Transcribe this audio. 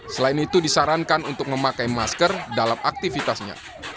selain itu disarankan untuk memakai masker dalam aktivitasnya